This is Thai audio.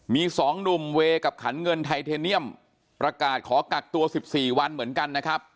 มี๒หนุ่มเวย์กับขันเงินไทเทเนียมประกาศขอกักตัว๑๔วันเหมือนกันนะครับ